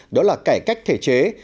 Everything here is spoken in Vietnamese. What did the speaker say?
đó là cải cách thể chế